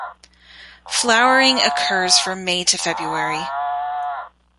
Flowering occurs from May to February.